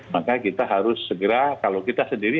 maka kita harus segera kalau kita sendiri